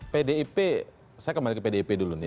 pdip saya kembali ke pdip dulu nih